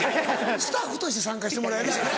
スタッフとして参加してもらえる？